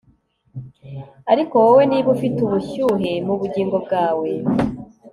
ariko wowe, niba ufite ubushyuhe mubugingo bwawe